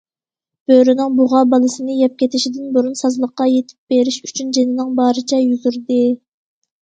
بۆرىنىڭ بۇغا بالىسىنى يەپ كېتىشىدىن بۇرۇن سازلىققا يېتىپ بېرىش ئۈچۈن جېنىنىڭ بارىچە يۈگۈردى.